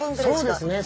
そうですね。